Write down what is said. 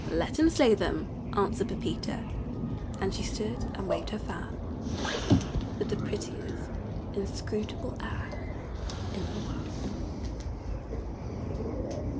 "Let him slay them," answered Pepita. And she stood and waved her fan with the prettiest inscrutable air in the world.